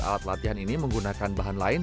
alat latihan ini menggunakan bahan lain